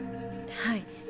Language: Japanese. はい。